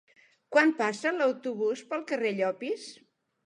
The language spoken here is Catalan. Quan passa l'autobús pel carrer Llopis?